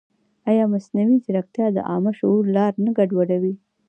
ایا مصنوعي ځیرکتیا د عامه شعور لار نه ګډوډوي؟